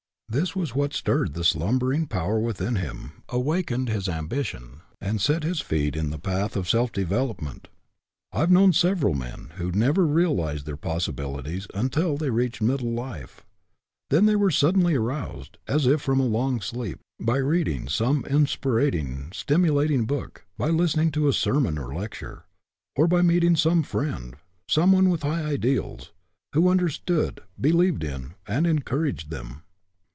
This was what stirred the slumbering GETTING AROUSED 23 power within him, awakened his ambition, and set his feet in the path of self development. I have known several men who never real ized their possibilities until they reached mid dle life. Then they were suddenly aroused, as if from a long sleep, by reading some inspir ing, stimulating book, by listening to a sermon or a lecture, or by meeting some friend, some one with high ideals, who understood, be lieved in, and encouraged them.